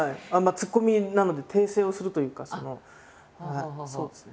ツッコミなので訂正をするというかそのそうですね。